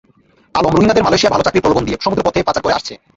আলম রোহিঙ্গাদের মালয়েশিয়ায় ভালো চাকরির প্রলোভন দিয়ে সমুদ্রপথে পাচার করে আসছে।